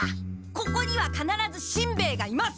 ここにはかならずしんべヱがいます！